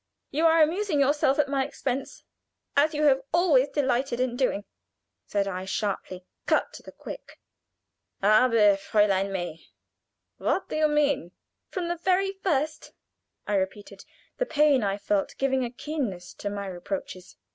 "You are amusing yourself at my expense, as you have always delighted in doing," said I, sharply, cut to the quick. "Aber, Fräulein May! What do you mean?" "From the very first," I repeated, the pain I felt giving a keenness to my reproaches.